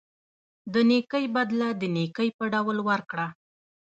د نیکۍ بدله د نیکۍ په ډول ورکړه.